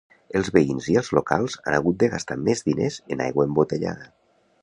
Els veïns i els locals han hagut de gastar més diners en aigua embotellada.